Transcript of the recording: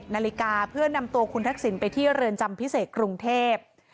นาฬิกาเพื่อนำตัวคุณทักษิณไปที่เรือนจำพิเศษกรุงเทพ